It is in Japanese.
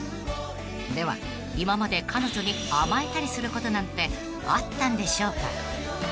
［では今まで彼女に甘えたりすることなんてあったんでしょうか］